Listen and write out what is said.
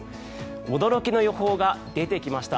驚きの予報が出てきました。